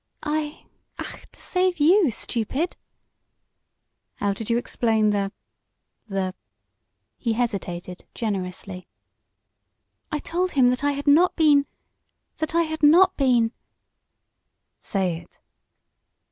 "I Ach, to save you, stupid!" "How did you explain the the " He hesitated, generously. "I told him that I had not been that I had not been " "Say it!"